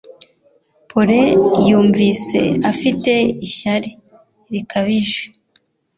Polly yumvise afite ishyari rikabije